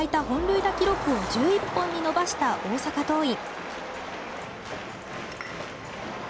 本塁打記録を１１本に伸ばした大阪桐蔭。